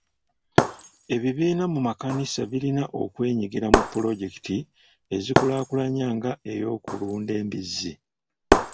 Ebibiina mu makanisa birina okwenyigira mu pulojekiti ezikulaakulanya nga ey'okulunda embizzi.